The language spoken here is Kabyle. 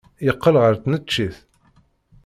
Yeqqel ɣer tneččit.